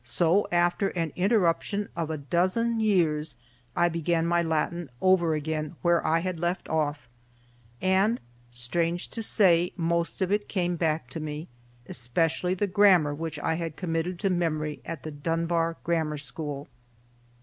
So, after an interruption of a dozen years, I began my Latin over again where I had left off; and, strange to say, most of it came back to me, especially the grammar which I had committed to memory at the Dunbar Grammar School.